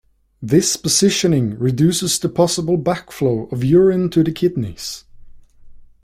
This positioning reduces the possible back-flow of urine to the kidneys.